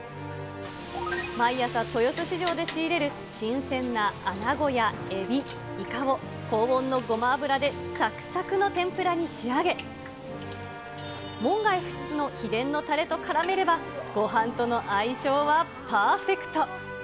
毎朝、豊洲市場で仕入れる新鮮なアナゴやエビ、イカを高温のごま油でさくさくの天ぷらに仕上げ、門外不出の秘伝のたれとからめれば、ごはんとの相性はパーフェクト。